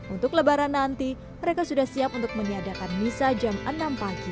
untuk lebaran nanti mereka sudah siap untuk menyadarkan misah jam enam